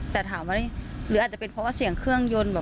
แต่ถามว่าหรืออาจจะเป็นเพราะว่าเสียงเครื่องยนต์แบบ